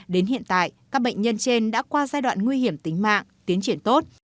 đến hiện tại các bệnh nhân trên đã qua giai đoạn nguy hiểm tính mạng tiến triển tốt